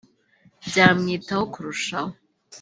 byamwitaho kurushaho